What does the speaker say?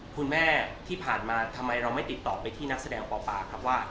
คุณแม่ที่ผ่านมาทำไมเราไม่ติดต่อไปที่นักแสดงปปาครับว่า